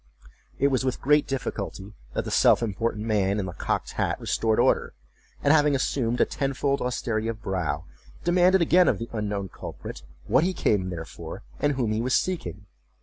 It was with great difficulty that the self important man in the cocked hat restored order; and, having assumed a tenfold austerity of brow, demanded again of the unknown culprit, what he came there for, and whom he was seeking?